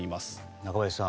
中林さん